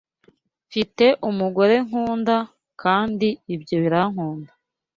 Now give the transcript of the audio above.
Mfite umugore nkunda, kandi ibyo birankunda